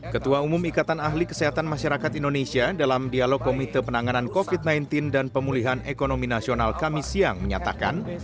ketua umum ikatan ahli kesehatan masyarakat indonesia dalam dialog komite penanganan covid sembilan belas dan pemulihan ekonomi nasional kami siang menyatakan